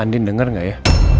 andi dengar gak ya